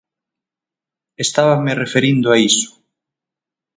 Estábame referindo a iso.